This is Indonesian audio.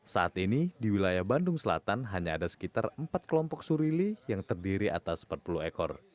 saat ini di wilayah bandung selatan hanya ada sekitar empat kelompok surili yang terdiri atas empat puluh ekor